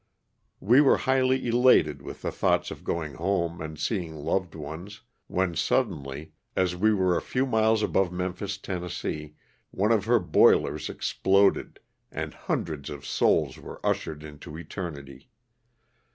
We were highly elated with the thoughts of going home and seeing loved ones, when suddenly, as we were a few miles above Memphis, Tenn., one of her boilers exploded and hundreds of souls were ushered into eternity.